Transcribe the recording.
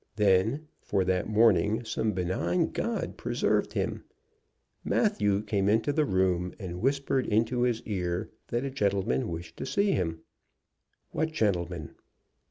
Then, for that morning, some benign god preserved him. Matthew came into the room and whispered into his ear that a gentleman wished to see him. "What gentleman?"